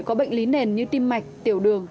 có bệnh lý nền như tim mạch tiểu đường